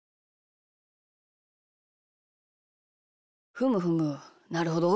ふむふむなるほど。